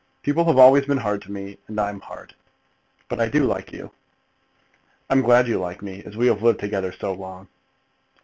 People have always been hard to me, and I'm hard. But I do like you." "I'm glad you like me, as we have lived together so long."